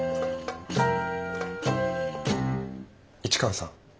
市川さん。